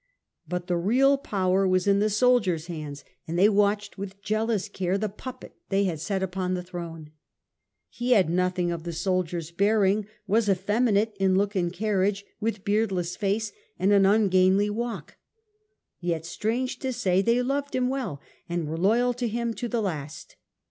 But the real power was in the soldiers' hands, and they watched with jealous care the puppet they had set upon the throne. He had nothing of the soldier's bearing, was effeminate in look and car riage, with beardless face and an ungainly He gained walk. Yet, strange to say, they loved him well, and were loyal to him to the last.